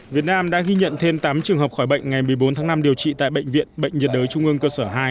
việt nam đã ghi nhận thêm tám trường hợp khỏi bệnh ngày một mươi bốn tháng năm điều trị tại bệnh viện bệnh nhiệt đới trung ương cơ sở hai